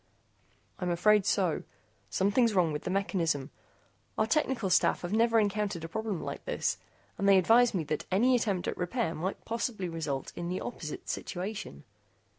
"I'm afraid so. Something's wrong with the mechanism. Our technical staff has never encountered a problem like this, and they advise me that any attempt at repair might possibly result in the opposite situation."